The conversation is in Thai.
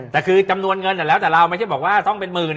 แต่คือจำนวนเงินแล้วแต่เราไม่ใช่บอกว่าต้องเป็นหมื่น